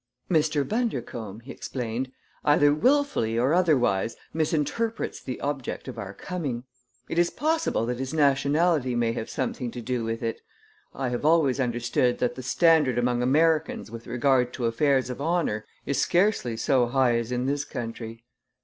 "Mr. Bundercombe," he explained, "either willfully or otherwise, misinterprets the object of our coming. It is possible that his nationality may have something to do with it. I have always understood that the standard among Americans with regard to affairs of honor is scarcely so high as in this country."